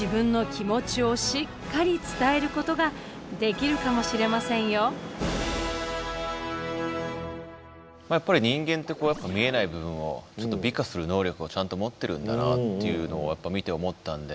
マスクをしていてもまあやっぱり人間ってこう見えない部分をちょっと美化する能力をちゃんと持ってるんだなっていうのをやっぱ見て思ったんで。